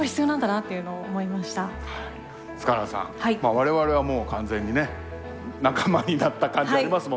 我々はもう完全にね仲間になった感じありますもんね。